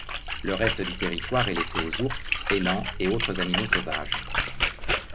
Le reste du territoire est laissé aux ours, élans et autres animaux sauvages.